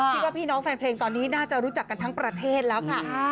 พี่น้องแฟนเพลงตอนนี้น่าจะรู้จักกันทั้งประเทศแล้วค่ะ